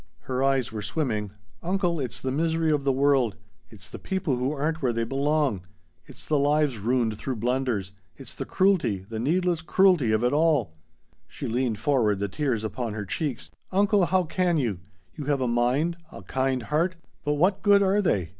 Her eyes were swimming. "Uncle it's the misery of the world! It's the people who aren't where they belong! It's the lives ruined through blunders it's the cruelty the needless cruelty of it all." She leaned forward, the tears upon her cheeks. "Uncle, how can you? You have a mind a kind heart. But what good are they?